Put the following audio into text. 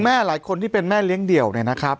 หลายคนที่เป็นแม่เลี้ยงเดี่ยวเนี่ยนะครับ